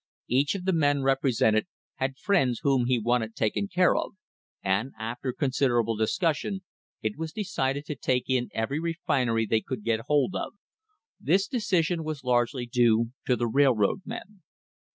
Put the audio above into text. Each of the men represented had friends whom he wanted taken care of, and after considerable discussion it was decided to take in every refinery they could get hold of. This decision was largely due to the railroad men.